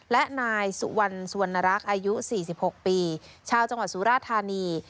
และนายสุวรรณสุวรรณรักษ์อายุ๔๖ปีชาวจังหวัดสุราธานี